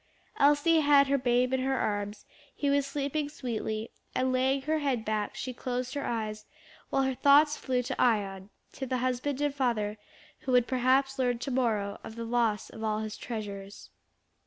Elsie had her babe in her arms; he was sleeping sweetly, and laying her head back, she closed her eyes while her thoughts flew to Ion, to the husband and father who would perhaps learn to morrow of the loss of all his treasures.